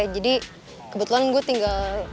jadi kebetulan gue tinggal